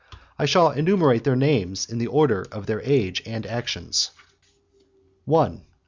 I shall enumerate their names in the order of their age and actions. 72 _1.